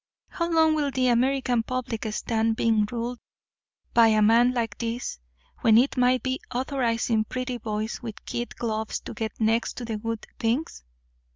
How long will the American public stand being ruled by a man like this, when it might be authorizing pretty boys with kid gloves to get next to the good things?